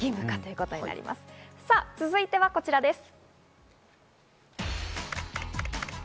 続いてはこちらです。